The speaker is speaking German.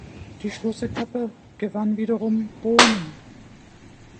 Die Schlussetappe gewann wiederum Boonen.